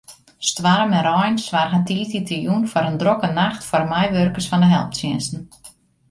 Stoarm en rein soargen tiisdeitejûn foar in drokke nacht foar meiwurkers fan de helptsjinsten.